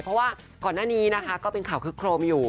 เพราะว่าก่อนหน้านี้นะคะก็เป็นข่าวคึกโครมอยู่